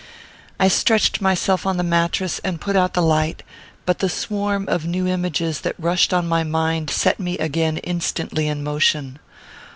I stretched myself on the mattress and put out the light; but the swarm of new images that rushed on my mind set me again instantly in motion.